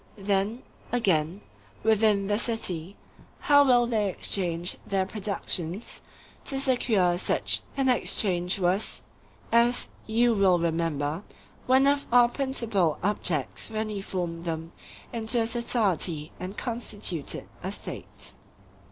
Then, again, within the city, how will they exchange their productions? To secure such an exchange was, as you will remember, one of our principal objects when we formed them into a society and constituted a State.